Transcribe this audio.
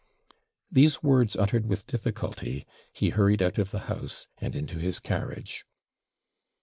These words uttered with difficulty, he hurried out of the house, and into his carriage.